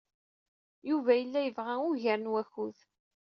Yuba yella yebɣa ugar n wakud.